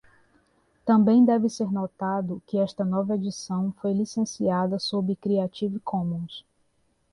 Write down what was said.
Também deve ser notado que esta nova edição foi licenciada sob Creative Commons.